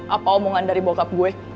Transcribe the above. apa omongan dari bokap gue